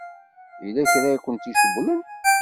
Yella kra i kent-icewwlen?